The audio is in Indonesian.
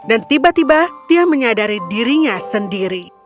dia memikirkan viola budaya dan tiba tiba menyadari diri ratsyang tersenyum